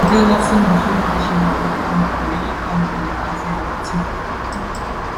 Niederlassungen befinden sich in Europa, Nordamerika und in der Asien-Pazifik-Region.